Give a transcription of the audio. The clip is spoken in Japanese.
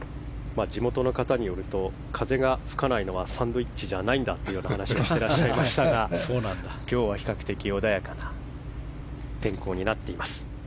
地元の方によると風が吹かないのはサンドイッチじゃないんだという話もしてらっしゃいましたが今日は比較的穏やかな天候になっています。